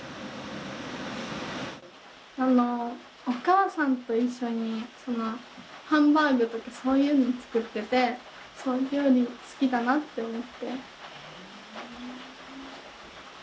あのお母さんと一緒にハンバーグとかそういうの作ってて料理好きだなって思って。